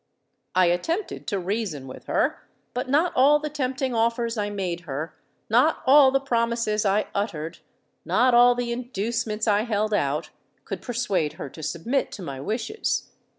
I attempted to reason with her;—but not all the tempting offers I made her—not all the promises I uttered—not all the inducements I held out, could persuade her to submit to my wishes.